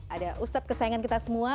ada ustadz kesayangan kita semua